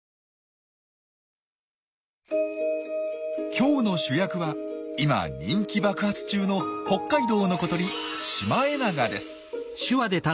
今日の主役は今人気爆発中の北海道の小鳥シマエナガです。